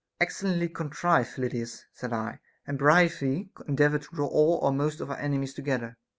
Excellently contrived, Phyllidas, said I, and prithee endeavor to draw all or most of our enemies together.